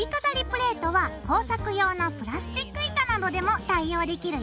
プレートは工作用のプラスチック板などでも代用できるよ。